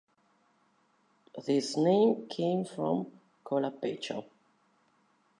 This name came from "Kolapechka".